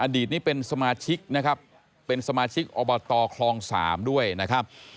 ตนี้เป็นสมาชิกนะครับเป็นสมาชิกอบตคลอง๓ด้วยนะครับ